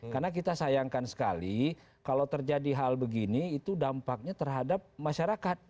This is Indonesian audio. karena kita sayangkan sekali kalau terjadi hal begini itu dampaknya terhadap masyarakat